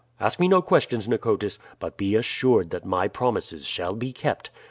Ask me no questions, Nicotis, but be assured that my promises shall be kept.